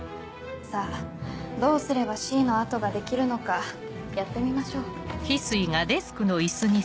さぁどうすれば「Ｃ」の跡ができるのかやってみましょう。